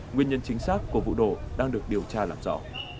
nguyên nhân chính xác của vụ nổ đang được điều tra làm rõ